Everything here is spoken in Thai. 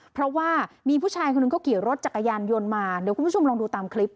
เพราะว่ามีผู้ชายคนหนึ่งเขาขี่รถจักรยานยนต์มาเดี๋ยวคุณผู้ชมลองดูตามคลิป